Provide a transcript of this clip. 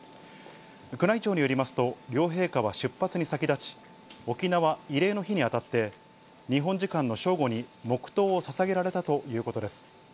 宮内庁によりますと、両陛下は出発に先立ち、沖縄慰霊の日にあたって日本時間の正午に黙とうをささげられたということです。